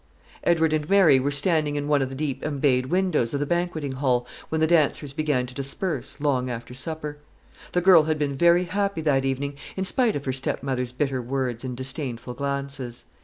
Edward and Mary were standing in one of the deep embayed windows of the banqueting hall, when the dancers began to disperse, long after supper. The girl had been very happy that evening, in spite of her stepmother's bitter words and disdainful glances.